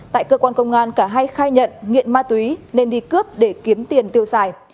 tại cơ quan công an cả hai khai nhận nghiện ma túy nên đi cướp để kiếm tiền tiêu xài